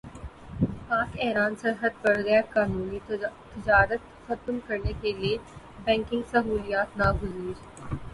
پاک ایران سرحد پر غیرقانونی تجارت ختم کرنے کیلئے بینکنگ سہولیات ناگزیر